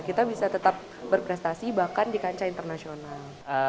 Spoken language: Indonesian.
kita bisa tetap berprestasi bahkan di kancah internasional